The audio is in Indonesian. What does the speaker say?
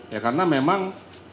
ya karena memang